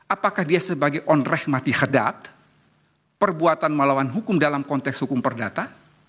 apakah dia sebagai onreh mati hedat perbuatan melawan hukum dalam konteks hukum perdata